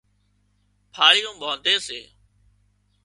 ڦاۯِيئون ٻانڌي سي